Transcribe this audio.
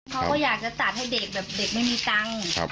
เขาก็อยากจะตัดให้เด็กแบบเด็กไม่มีตังค์